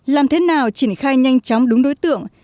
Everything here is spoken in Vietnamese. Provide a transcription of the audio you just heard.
làm thế nào triển khai nhanh chóng đúng đối tượng